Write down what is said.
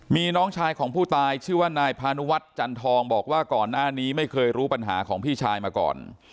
มีน้องชายของผู้ตายชื่อว่านายพานุวัฒน์จันทองบอกว่าก่อนหน้านี้ไม่เคยรู้ปัญหาของพี่ชายมาก่อน